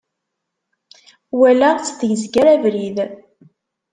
Walaɣ-tt tezger abrid.